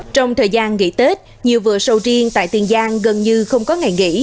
trong thời gian nghỉ tết nhiều vừa sầu riêng tại tiền giang gần như không có ngày nghỉ